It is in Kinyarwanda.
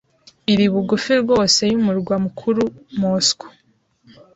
iri bugufi rwose y'umurwa mukuru Moscou,